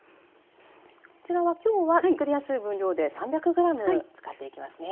こちらは今日はつくりやすい分量で３００ｇ使っていきますね。